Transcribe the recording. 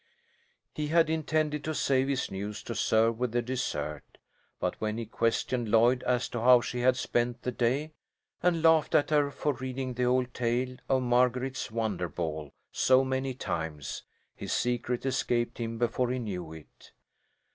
He had intended to save his news to serve with the dessert, but when he questioned Lloyd as to how she had spent the day, and laughed at her for reading the old tale of Marguerite's wonder ball so many times, his secret escaped him before he knew it.